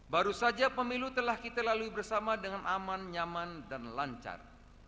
baru saja pemilu telah kita lalui bersama dengan aman nyaman dan lancar